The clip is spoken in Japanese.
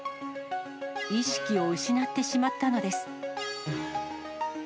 意識を失ってしまったのです。